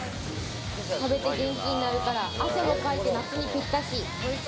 食べて元気になるから汗もかいて夏にぴったし。